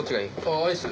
ういっす。